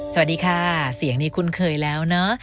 สวัสดีค่ะเสียงนี้คุ้นเคยแล้วเนอะ